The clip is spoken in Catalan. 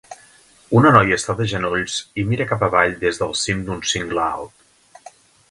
Una noia està de genolls i mira cap avall des del cim d'un cingle alt.